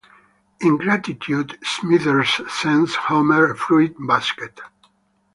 In gratitude, Smithers sends Homer a fruit basket.